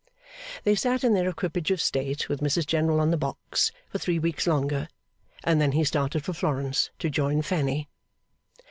They sat in their equipage of state, with Mrs General on the box, for three weeks longer, and then he started for Florence to join Fanny.